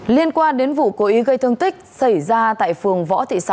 liên quan đến vụ cố ý gây thương tích xảy ra tại phường võ thị sáu